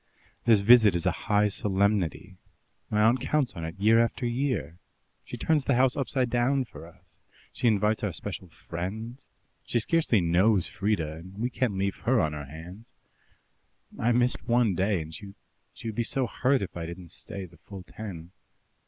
"This visit is a high solemnity. My aunt counts on it year after year. She turns the house upside down for us; she invites our special friends she scarcely knows Frieda, and we can't leave her on her hands. I missed one day, and she would be so hurt if I didn't stay the full ten."